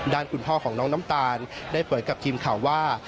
ด้านคุณพ่อของน้องน้ำตาลได้เผยกับทีมข่าวว่า